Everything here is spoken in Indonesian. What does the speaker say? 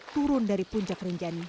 turun dari puncak rinjani